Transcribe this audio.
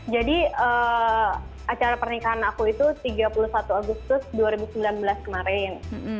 jadi acara pernikahan aku itu tiga puluh satu agustus dua ribu sembilan belas kemarin